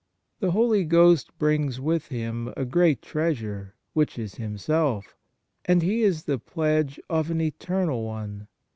The Holy Ghost brings with Him a great treasure, which is Himself; and He is the pledge of an eternal one.